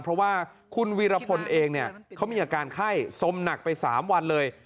เพราะว่าคุณวีรพลเองเนี่ยเขามีอาการไข้สมหนักไป๓วันเลย